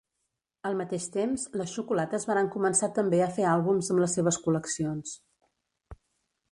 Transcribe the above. Al mateix temps, les xocolates varen començar també a fer àlbums amb les seves col·leccions.